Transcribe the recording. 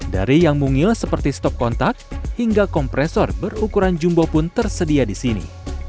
dari yang mungil seperti stok kontak hingga kompresor berukuran jumbo pun tersedia di sini